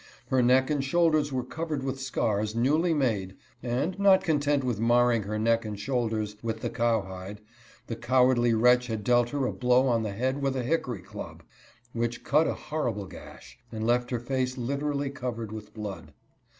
Her i\eck and shoulders were covered with scars, newly made ; and, not content with, marring her neck and shoulders with the cowhide, the cowardly wretch had dealt her a blow on the head with a hickory club, which cut a horrible gash, and left her face literally covered with blood.